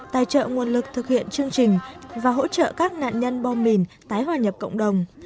tài trợ nguồn lực thực hiện chương trình và hỗ trợ các nạn nhân bom mìn tái hòa nhập cộng đồng